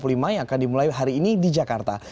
yang akan dimulai hari ini di jakarta